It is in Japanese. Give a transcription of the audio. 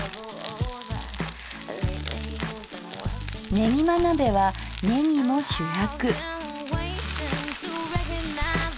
ねぎま鍋はねぎも主役。